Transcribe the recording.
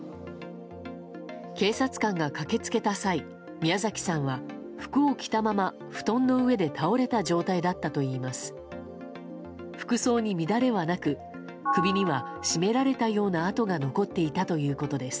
警察官が駆け付けた際宮崎さんは服を着たまま布団の上で倒れた状態だったといいます。